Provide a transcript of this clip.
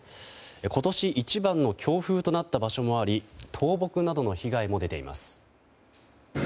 今年一番の強風となった場所もあり倒木などの被害も出ています。